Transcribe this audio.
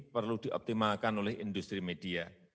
perlu dioptimalkan oleh industri media